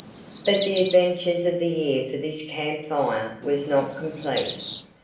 But the adventures of the year for this Camp Fire were not complete.